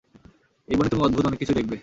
এই বনে তুমি অদ্ভুত অনেক কিছুই দেখবে।